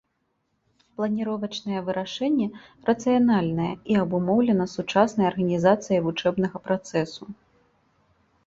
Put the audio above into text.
Планіровачнае вырашэнне рацыянальнае і абумоўлена сучаснай арганізацыяй вучэбнага працэсу.